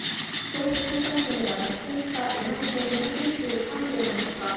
東北新幹線では脱線したやまびこ２２３号の他